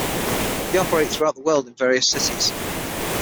They operate throughout the world in various cities.